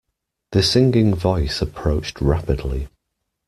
The singing voice approached rapidly.